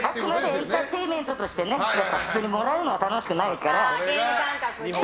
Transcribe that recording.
エンターテインメントとして普通にもらうのは楽しくないから。